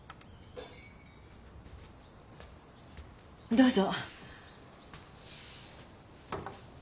どうぞ。